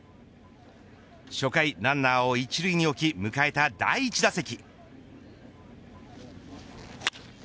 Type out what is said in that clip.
初回、ランナーを一塁に置き迎えた第１打席。